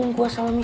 ketika di rumah